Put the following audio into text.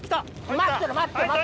待ってろ待ってろ。